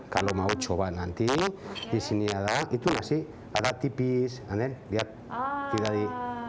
kalau mau coba nanti di sini ada itu nasi ada tipis and then lihat tidak di